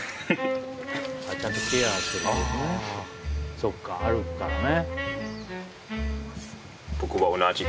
そっか歩くからね。